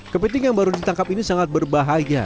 kepiting yang baru ditangkap ini sangat berbahaya